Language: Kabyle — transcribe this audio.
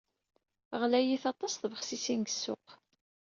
Ɣlayit aṭas tbexsisin deg ssuq.